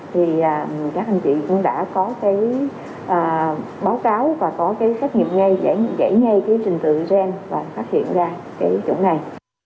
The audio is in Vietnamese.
thì các anh chị cũng đã có cái báo cáo và có cái xét nghiệm ngay để giải ngay cái trình tự gen và phát hiện ra cái chủng này